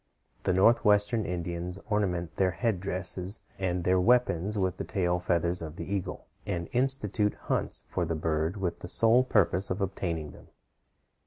The Northwestern Indians ornament their headdresses and their weapons with the tail feathers of the eagle, and institute hunts for the bird with the sole purpose of obtaining them.